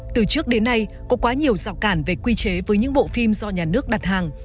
từ trước đến nay có quá nhiều rào cản về quy chế với những bộ phim do nhà nước đặt hàng